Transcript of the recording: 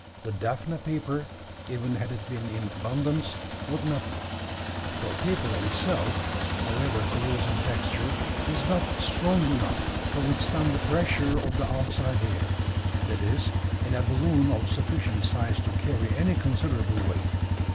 The daphne paper even had it been in abundance would not do: for paper of itself, however close in texture, is not strong enough to withstand the pressure of the outside air that is, in a balloon of sufficient size to carry any considerable weight.